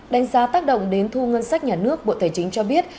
đánh giá tác động đến thu ngân sách nhà nước bộ tài chính cho biết